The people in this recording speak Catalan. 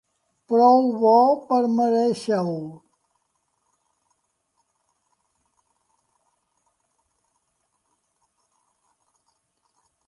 Prou bo per merèixer-ho.